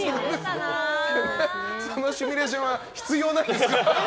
そのシミュレーションは必要ないんです。